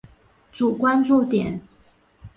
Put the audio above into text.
主关注点。